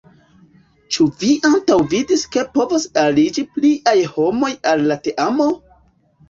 Ĉu vi antaŭvidas ke povos aliĝi pliaj homoj al la teamo?